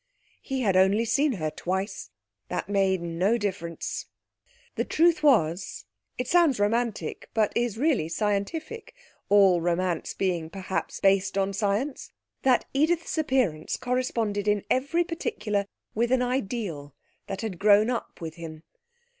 He had only seen her twice. That made no difference. The truth was it sounds romantic, but is really scientific, all romance being, perhaps, based on science that Edith's appearance corresponded in every particular with an ideal that had grown up with him.